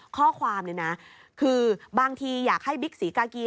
ข้อความคือบางทีอยากให้บิ๊กสีกากี